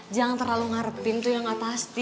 jangan terlalu ngarepin tuh yang gak pasti